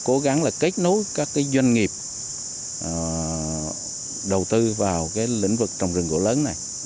cố gắng là kết nối các doanh nghiệp đầu tư vào cái lĩnh vực trồng rừng gỗ lớn này